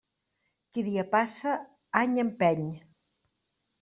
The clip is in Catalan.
Qui dia passa, any empeny.